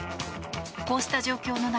こうした状況の中